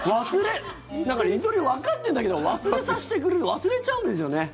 二刀流、わかってるんだけど忘れさせてくる忘れちゃうんですよね。